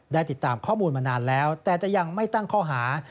ได้ติดตามข้อมูลมานานแล้วแต่จะยังไม่ตั้งข้อหา